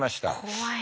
怖い。